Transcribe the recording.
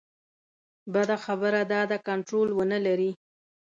بده خبره دا ده کنټرول ونه لري.